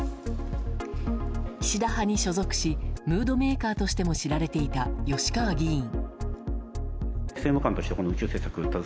岸田派に所属しムードメーカーとしても知られていた吉川議員。